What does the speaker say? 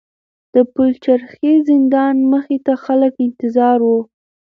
د پلچرخي زندان مخې ته خلک انتظار وو.